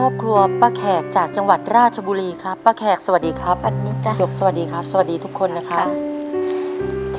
สวัสดีครับยกสวัสดีครับสวัสดีทุกคนนะครับ